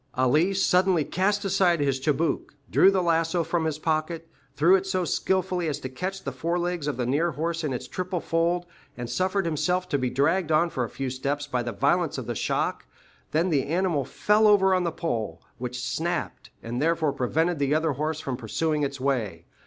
Ali suddenly cast aside his chibouque, drew the lasso from his pocket, threw it so skilfully as to catch the forelegs of the near horse in its triple fold, and suffered himself to be dragged on for a few steps by the violence of the shock, then the animal fell over on the pole, which snapped, and therefore prevented the other horse from pursuing its way.